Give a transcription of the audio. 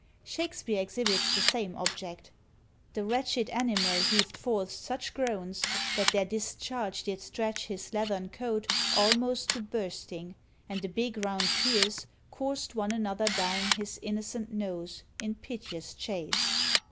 Shakspeare exhibits the same object: The wretched animal heaved forth such groans, That their discharge did stretch his leathern coat Almost to bursting; and the big round tears Coursed one another down his innocent nose In piteous chase.